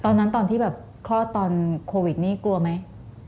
ตอนที่แบบคลอดตอนโควิดนี่กลัวไหม